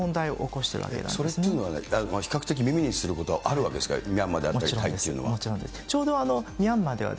それっていうのは、比較的耳にすること、あるわけですか、ミャンマーでは。